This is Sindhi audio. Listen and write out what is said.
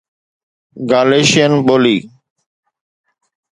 گاليشين ٻولي